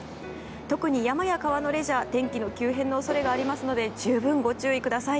特に山や川のレジャーは天気急変の恐れがあるので十分ご注意ください。